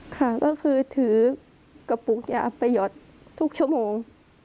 ค่ะก็คือถือกระปุกยาประหยอดทุกชั่วโมง